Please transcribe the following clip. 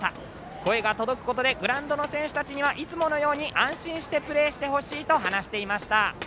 声が届くことでグラウンドの選手たちにはいつものように安心してプレーしてほしいと話してました。